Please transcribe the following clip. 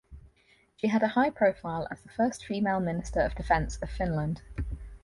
She had a high profile as the first female Minister of Defence of Finland.